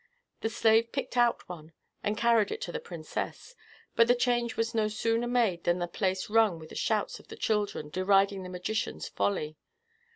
The slave picked out one, and carried it to the princess; but the change was no sooner made than the place rung with the shouts of the children, deriding the magician's folly.